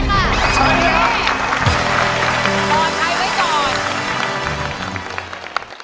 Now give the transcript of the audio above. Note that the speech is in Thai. ใช้ค่ะใช้ค่ะใช้ค่ะใช้ค่ะใช้ค่ะใช้ค่ะใช้ค่ะใช้ค่ะใช้ค่ะ